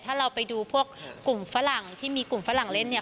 ถ้าเราไปดูพวกกลุ่มฝรั่งที่มีกลุ่มฝรั่งเล่นเนี่ย